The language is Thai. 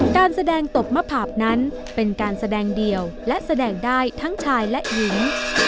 การแสดงตบมะผาบนั้นเป็นการแสดงเดียวและแสดงได้ทั้งชายและหญิง